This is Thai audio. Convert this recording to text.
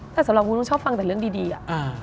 แต่สำหรับคุณต้องชอบฟังแต่เรื่องดีอะ